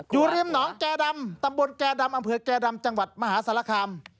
อยู่ริมหนองแก่ดำตำบลแก่ดำอำเภอแก่ดำจังหวัดมหาสารคาม